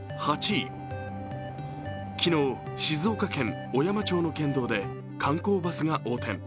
８位、昨日、静岡県小山町の県道で観光バスが横転。